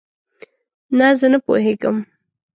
نه، زه نه پوهیږم